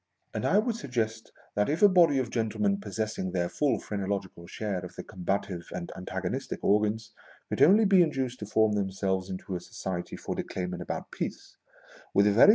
And I would suggest that if a body of gentle men possessing their full phrenological share of the combative and antagonistic organs, could only be induced to form themselves into a society for declaiming about Peace, with a very BERTHALDE REIMER'S VOICE.